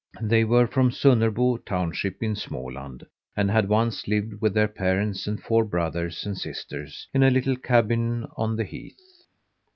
They were from Sunnerbo township, in Småland, and had once lived with their parents and four brothers and sisters in a little cabin on the heath.